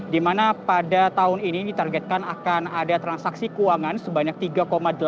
dimana pada tahun ini ditargetkan akan ada transaksi keuangan sebanyak tiga delapan triliun rupiah di ims dua ribu dua puluh tiga